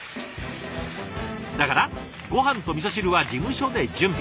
だからごはんとみそ汁は事務所で準備。